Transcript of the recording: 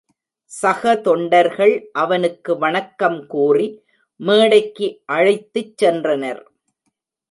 சக தொண்டர்கள் அவனுக்கு வணக்கம் கூறி மேடைக்கு அழைத்துச் சென்றனர்.